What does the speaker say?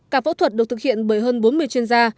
cả phẫu thuật được thực hiện bởi hơn bốn mươi chuyên gia